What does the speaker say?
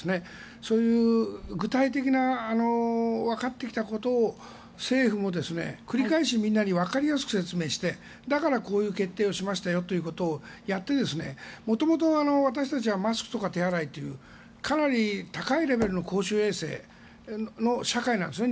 そういう具体的なわかってきたことを政府も繰り返しみんなにわかりやすく説明してだから、こういう決定をしましたよということをやって元々、私たちはマスクとか手洗いというかなり高いレベルの公衆衛生の社会なんですね。